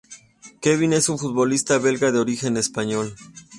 Kevin es un futbolista belga de origen español.